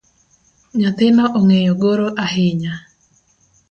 Nyathina ongeyo goro ahinya